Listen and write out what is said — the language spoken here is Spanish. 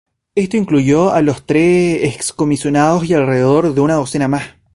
Esto incluyó a los tres ex comisionados y alrededor de una docena más.